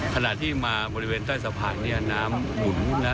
ขณะที่มาบริเวณใต้สะพานเนี่ยน้ำหมุนนะ